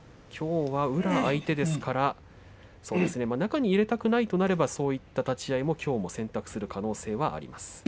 きょうは宇良相手ですから中に入れたくないとなればそういう立ち合い、きょうも選択する可能性はあります。